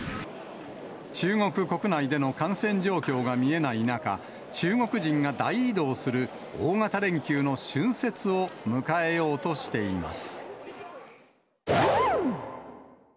中国国内での感染状況が見えない中、中国人が大移動する大型連休の春節を迎えようとしています。